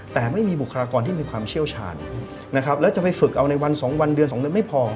แต่ไม่มีบุคลากรที่มีความเชี่ยวชาญนะครับแล้วจะไปฝึกเอาในวันสองวันเดือน๒เดือนไม่พอ